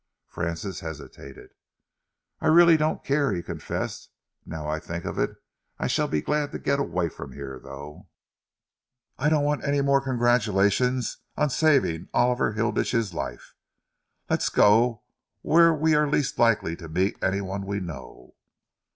Francis hesitated. "I really don't care," he confessed. "Now I think of it, I shall be glad to get away from here, though. I don't want any more congratulations on saving Oliver Hilditch's life. Let's go where we are least likely to meet any one we know."